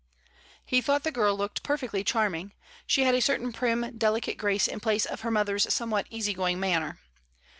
He thought the girl looked perfectly charming; she had a certain prim delicate grace in place of her mother's somewhat easy going manner.